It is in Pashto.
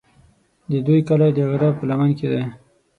د دوی کلی د غره په لمن کې دی.